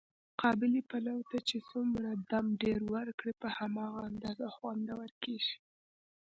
قابلي پلو ته چې څومره دم ډېر ور کړې، په هماغه اندازه خوندور کېږي.